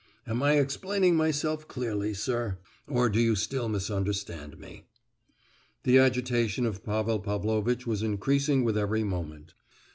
Am I explaining myself clearly, sir; or do you still misunderstand me?" The agitation of Pavel Pavlovitch was increasing with every moment.